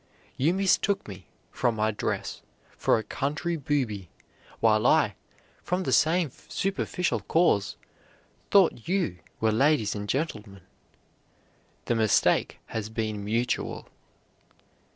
You mistook me, from my dress, for a country booby; while I, from the same superficial cause, thought you were ladies and gentlemen. The mistake has been mutual."